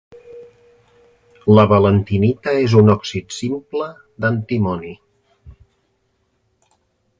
La valentinita és un òxid simple d'antimoni.